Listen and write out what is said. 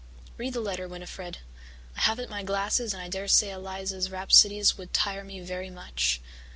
Read the letter, Winnifred; I haven't my glasses and I dare say Eliza's rhapsodies would tire me very much.